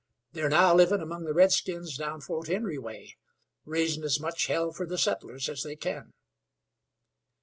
They're now livin' among the redskins down Fort Henry way, raisin' as much hell fer the settlers as they kin."